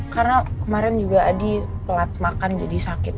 karena kemarin juga adi telat makan jadi sakit